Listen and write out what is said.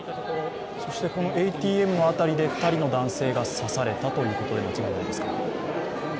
このＡＴＭ辺りで２人の男性が刺されたということで間違いないですか？